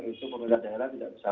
itu pemerintah daerah tidak bisa